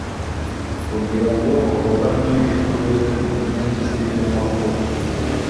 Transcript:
kugira ngo ahorane ituze mu minsi y’amakuba